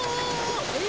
え？